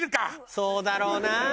そうだろうな。